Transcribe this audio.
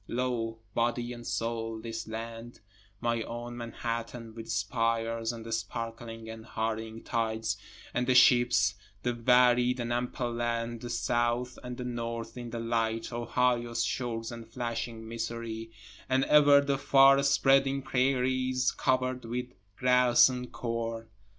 12 Lo, body and soul this land, My own Manhattan with spires, and the sparkling and hurrying tides, and the ships, The varied and ample land, the South and the North in the light, Ohio's shores and flashing Missouri, And ever the far spreading prairies cover'd with grass and corn.